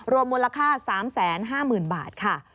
รวมมูลค่า๓๕๐๐๐บาทค่ะ